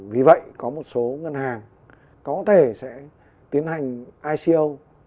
vì vậy có một số ngân hàng có thể sẽ tiến hành ico